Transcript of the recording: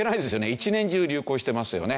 一年中流行してますよね。